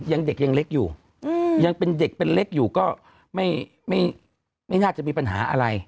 ยังเด็กยังเล็กอยู่ยังเป็นเด็กเป็นเล็กอยู่ก็ไม่น่าจะมีปัญหาอะไร